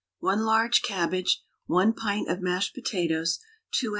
1 large cabbage, 1 pint of mashed potatoes, 2 oz.